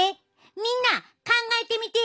みんな考えてみてや！